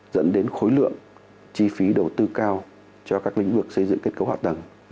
dẫn đến khối lượng chi phí đầu tư cao cho các lĩnh vực xây dựng kết cấu hạ tầng